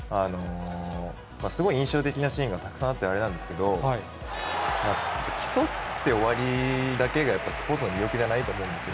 すごい印象的なシーンがたくさんあってあれなんですけど、競って終わりだけがやっぱりスポーツの魅力じゃないと思うんですよ。